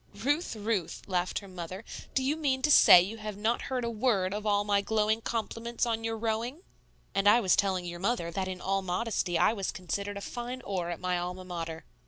"Ruth, Ruth," laughed her mother, "do you mean to say you have not heard a word of all my glowing compliments on your rowing?" "And I was telling your mother that in all modesty I was considered a fine oar at my Alma Mater."